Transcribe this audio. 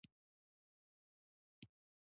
داسې ښکاري لکه په وران کلي کې د ګلو باغ.